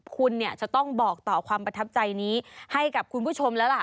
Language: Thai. คุณเนี่ยจะต้องบอกต่อความประทับใจนี้ให้กับคุณผู้ชมแล้วล่ะ